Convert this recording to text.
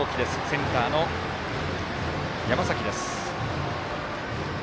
センターの山崎です。